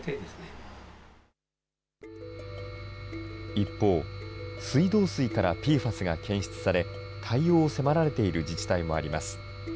一方、水道水からＰＦＡＳが検出され、対応を迫られている自治体もあります。